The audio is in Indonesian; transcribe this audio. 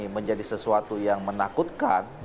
menjadi sesuatu yang menakutkan